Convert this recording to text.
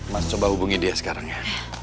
mas coba hubungi dia sekarang ya